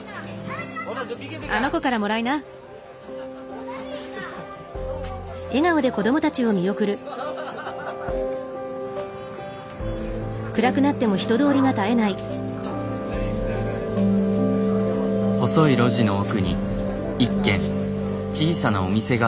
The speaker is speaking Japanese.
細い路地の奥に一軒小さなお店があった。